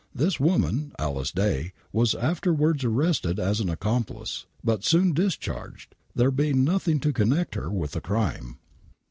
This woman, Alice Day, was afterwards arrested as an accomplice, but soon discharged, there being nothing to connect her with the crime.